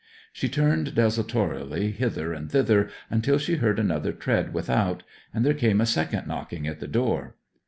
She turned desultorily hither and thither, until she heard another tread without, and there came a second knocking at the door.